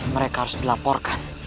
mereka harus dilaporkan